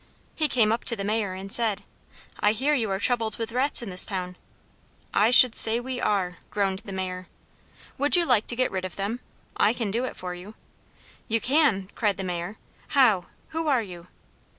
He came up to the Mayor and said, "I hear you are troubled with rats in this town." "I should say we were," groaned the Mayor. "Would you like to get rid of them? I can do it for you." "You can?" cried the Mayor. "How? Who are you?"